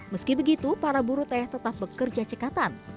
meski begitu para buru teh tetap bekerja cekatan